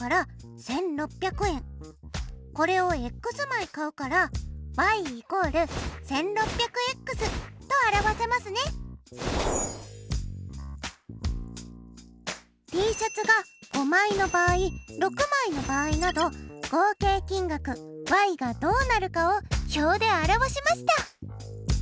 これを枚買うからＴシャツが５枚の場合６枚の場合など合計金額がどうなるかを表で表しました。